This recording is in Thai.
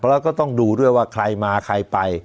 แล้วก็ต้องดูด้วยว่าใครมาใครไป